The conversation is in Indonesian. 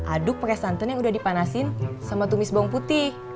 aduk pakai santan yang udah dipanasin sama tumis bawang putih